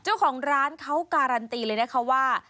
เจ้าของร้านเขาการันตีเลยนะคะว่า